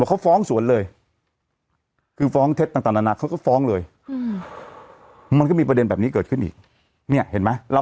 อันนะคะเท่ากับกิจกรรมนะ